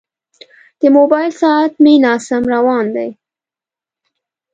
د موبایل ساعت مې ناسم روان دی.